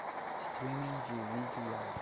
Streaming de vídeo e áudio